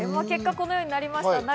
結果、このようになりました。